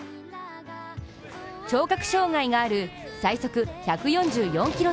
聴覚障害がある最速１４４キロ